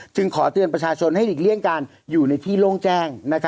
ขอเตือนประชาชนให้หลีกเลี่ยงการอยู่ในที่โล่งแจ้ง